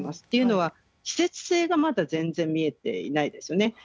というのは、季節性がまだ全然見えてないですよね。